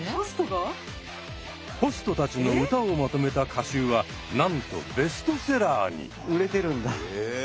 ホストたちの歌をまとめた歌集はなんとベストセラーに。